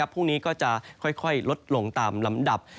พรุ่งนี้ก็จะค่อยลดลงตามลำดับ